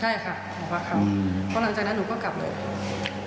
ใช่ค่ะหลังจากนั้นหนูก็กลับเลย